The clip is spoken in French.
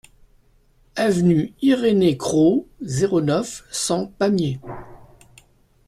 Avenue Irénée Cros, zéro neuf, cent Pamiers